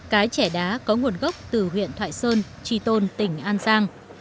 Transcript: cái trẻ đá có nguồn gốc từ huyện thoại sơn tri tôn tỉnh an giang